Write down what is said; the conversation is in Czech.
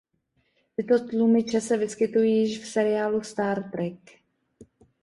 Tyto tlumiče se vyskytují již v seriálu Star Trek.